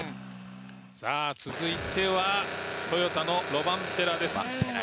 続いてはトヨタのロバンペラです。